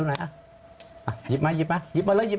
หยิบมาหยิบมาเลย